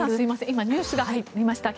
今ニュースが入りました。